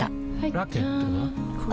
ラケットは？